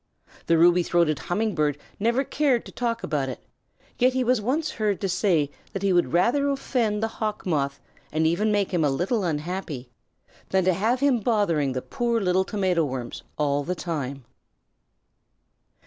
The Ruby throated Humming Bird never cared to talk about it, yet he was once heard to say that he would rather offend the Hawk Moth and even make him a little unhappy than to have him bothering the poor little Tomato Worms all the time.